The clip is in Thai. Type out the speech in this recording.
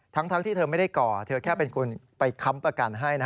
ทั้งที่เธอไม่ได้ก่อเธอแค่เป็นคนไปค้ำประกันให้